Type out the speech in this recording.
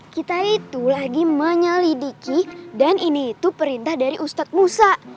kita itu lagi menyelidiki dan ini itu perintah dari ustadz musa